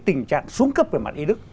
tình trạng xuống cấp về mặt y đức